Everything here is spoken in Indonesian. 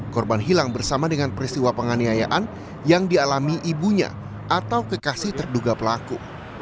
korban hilang bersama dengan peristiwa penganiayaan yang dialami ibunya atau kekasih terduga pelaku